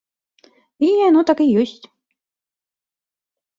І яно так і ёсць.